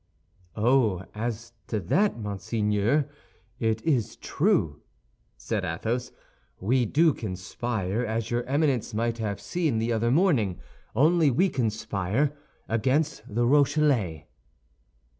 "Oh, as to that, Monseigneur, it is true," said Athos; "we do conspire, as your Eminence might have seen the other morning. Only we conspire against the Rochellais."